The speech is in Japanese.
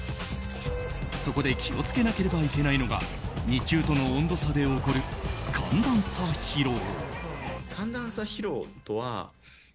そこで気を付けなければいけないのが日中との温度差で起こる寒暖差疲労。